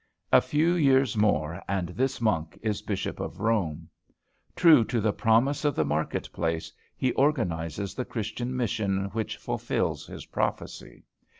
A few years more and this monk is Bishop of Rome. True to the promise of the market place, he organizes the Christian mission which fulfils his prophecy.